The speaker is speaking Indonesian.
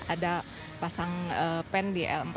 ada pasang pen di l empat